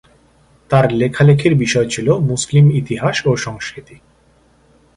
তার লেখালেখির বিষয় ছিল মুসলিম ইতিহাস ও সংস্কৃতি।